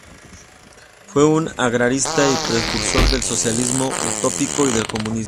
Fue un agrarista y precursor del socialismo utópico y del comunismo.